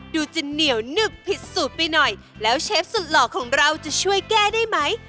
ดูจะเหนียวหนึบผิดสูตรไปหน่อยแล้วเชฟสุดหล่อของเราจะช่วยแก้ได้ไหม